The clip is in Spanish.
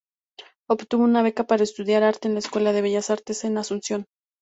Obtuvo una beca para estudiar arte en la Escuela de Bellas Artes de Asunción.